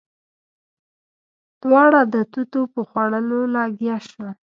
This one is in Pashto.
دواړه د توتو په خوړلو لګيا شول.